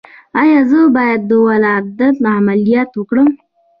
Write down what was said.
ایا زه باید د ولادت عملیات وکړم؟